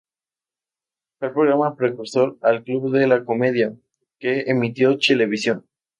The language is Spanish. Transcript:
Fue el programa precursor al Club de la Comedia, que emitió Chilevisión.